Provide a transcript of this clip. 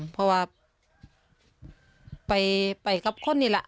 เพราะว่าไปกับคนนี่แหละ